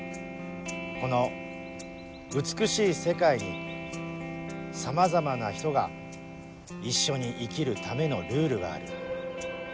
この美しい世界にさまざまな人が一緒に生きるためのルールがある。